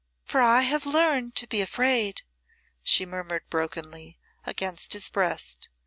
"For I have learned to be afraid," she murmured brokenly, against his breast.